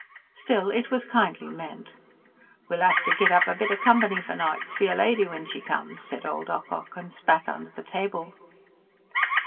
Still, it was kindly meant. "We'll 'ave to git up a bit o' company o' nights for yer lady when she comes," said old Ocock, and spat under the table.